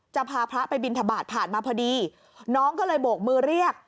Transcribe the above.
จะพาพระไปบินทบาทผ่านมาพอดีน้องก็เลยโบกมือเรียก